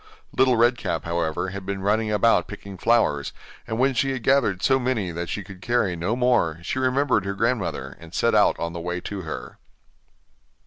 Little Red Cap, however, had been running about picking flowers, and when she had gathered so many that she could carry no more, she remembered her grandmother, and set out on the way to her.